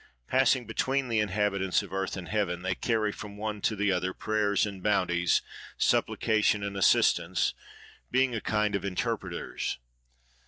Passing between the inhabitants of earth and heaven, they carry from one to the other prayers and bounties, supplication and assistance, being a kind of interpreters.